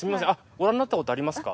ご覧になったことありますか？